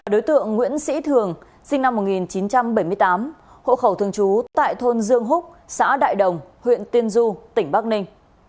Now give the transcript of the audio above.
đối tượng nguyễn sĩ thường sinh năm một nghìn chín trăm bảy mươi tám hộ khẩu thường trú tại thôn dương húc xã đại đồng huyện tiên du tỉnh bắc ninh